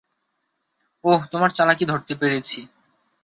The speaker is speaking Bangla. ওহ, তোমার চালাকি ধরতে পেরেছি।